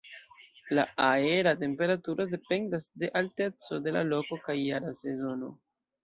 La aera temperaturo dependas de alteco de la loko kaj jara sezono.